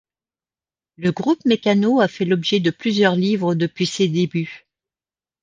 Le groupe Mécano a fait l'objet de plusieurs livres depuis ses débuts.